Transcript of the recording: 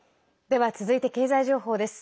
では続いて経済情報です。